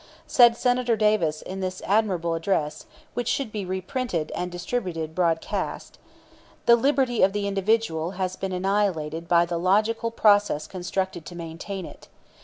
Said Senator Davis in this admirable address, which should be reprinted and distributed broadcast: "The liberty of the individual has been annihilated by the logical process constructed to maintain it.